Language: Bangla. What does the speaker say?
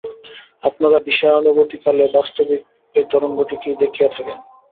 আপনারা বিষয়ানুভূতি-কালে বাস্তবিক এই তরঙ্গটিকেই দেখিয়া থাকেন।